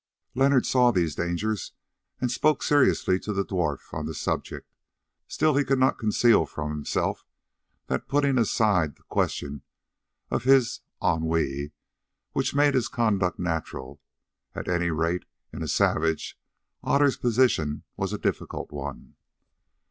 Leonard saw these dangers and spoke seriously to the dwarf on the subject. Still he could not conceal from himself that, putting aside the question of his ennui, which made his conduct natural, at any rate in a savage, Otter's position was a difficult one.